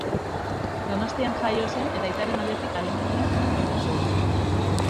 Donostian jaio zen, eta aitaren aldetik alemaniar jatorria du.